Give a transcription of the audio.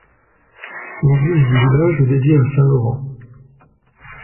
L'église du village est dédiée à saint Laurent.